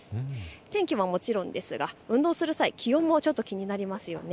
天気はもちろんですが運動する際、気温も気になりますよね。